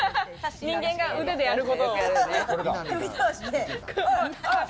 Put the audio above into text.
人間が腕でやることを。